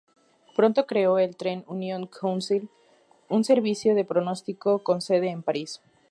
Pronto creó el Trend Union Council, un servicio de pronóstico con sede en París.